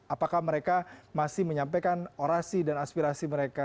apakah mereka masih menyampaikan orasi dan aspirasi mereka